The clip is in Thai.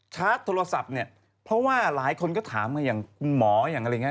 ชาร์จโทรศัพท์เนี่ยเพราะว่าหลายคนก็ถามกันอย่างคุณหมออย่างอะไรอย่างนี้